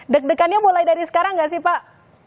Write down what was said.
deg degannya mulai dari sekarang nggak sih pak